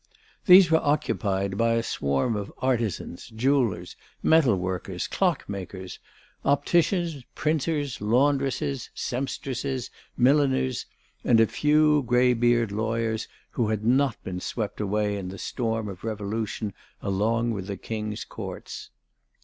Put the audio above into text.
These were occupied by a swarm of artisans, jewellers, metal workers, clockmakers, opticians, printers, laundresses, sempstresses, milliners, and a few grey beard lawyers who had not been swept away in the storm of revolution along with the King's courts.